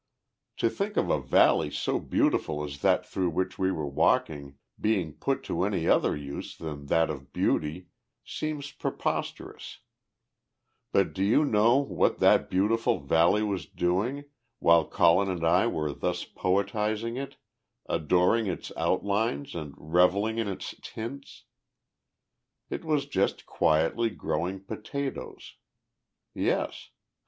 To think of a valley so beautiful as that through which we were walking being put to any other use than that of beauty seems preposterous; but do you know what that beautiful valley was doing, while Colin and I were thus poetizing it, adoring its outlines and revelling in its tints? It was just quietly growing potatoes. Yes!